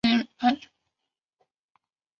四川省开县汉丰镇西津坝人。